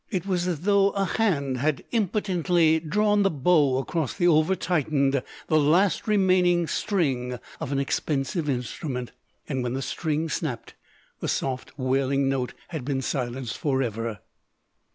It was as though a hand had impotently drawn the bow across the over tightened, the last remaining, string of an expensive instrument, and when the string snapped the soft wailing note had been silenced for ever.